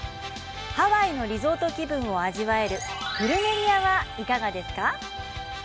ハワイのリゾート気分を味わえるプルメリアはいかがですか？